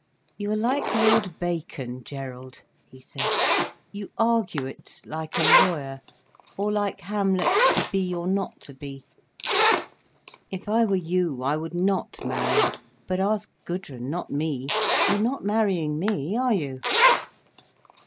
"You are like Lord Bacon, Gerald," he said. "You argue it like a lawyer—or like Hamlet's to be or not to be. If I were you I would not marry: but ask Gudrun, not me. You're not marrying me, are you?"